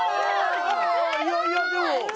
いやいやでも。